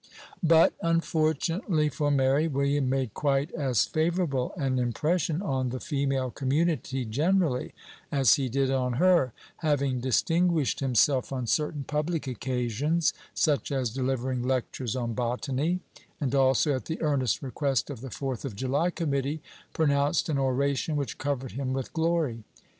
But, unfortunately for Mary, William made quite as favorable an impression on the female community generally as he did on her, having distinguished himself on certain public occasions, such as delivering lectures on botany, and also, at the earnest request of the fourth of July committee, pronounced an oration which covered him with glory.